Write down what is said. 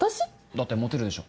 だってモテるでしょ。